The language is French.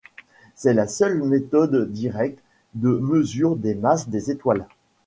C'est la seule méthode directe de mesure des masses des étoiles.